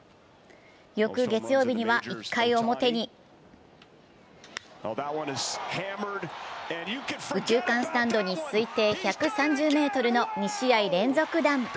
翌月曜日には１回表に右中間スタンドに推定１３０ｍの２試合連続弾。